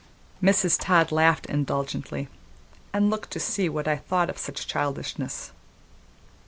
Mrs. Todd laughed indulgently, and looked to see what I thought of such childishness.